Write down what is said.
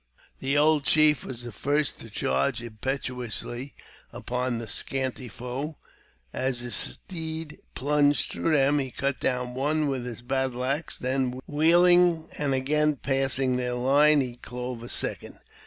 | The old chief was the first to charge impetuously upon th^ scanty foe ; as his steed plunged through them, he cut down one with his battle axe ; then, wheeling and again passing their line, he clove a second.